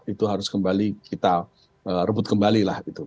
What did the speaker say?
itu harus kita rebut kembali